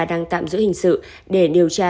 đang tạm giữ hình sự để điều tra